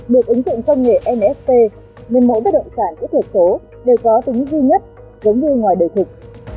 được ứng dụng công nghệ nft nền mẫu bất động sản kỹ thuật số đều có tính duy nhất giống như ngoài đời thịnh